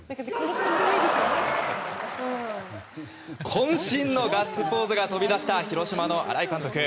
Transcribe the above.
渾身のガッツポーズが飛び出した広島の新井監督。